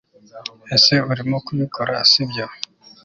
Ese Urimo kubikora sibyo